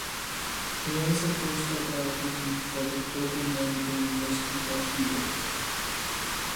He also coached the karate team for the Toho Medical University for three years.